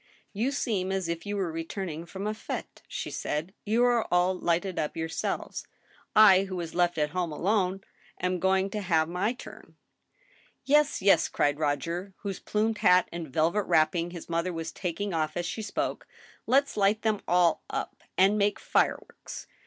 "You seem as if you were returning from z. fite" she said; " You are all hghted up yourselves. I, who was left at home alone, am going to have my turn." " Yes — yes," cried Roger, whose plumed hat and velvet wrapping his mother was taking off as she spoke. " Let's light them aU up and make fire works."